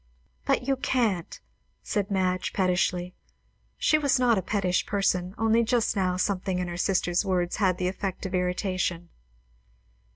"But you can't!" said Madge pettishly. She was not a pettish person, only just now something in her sister's words had the effect of irritation.